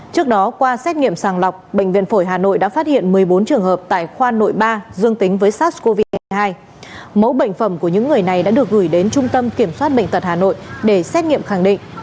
trước đó qua xét nghiệm sàng lọc bệnh viện phổi hà nội đã phát hiện một mươi bốn trường hợp tại khoa nội ba dương tính với sars cov hai mẫu bệnh phẩm của những người này đã được gửi đến trung tâm kiểm soát bệnh tật hà nội để xét nghiệm khẳng định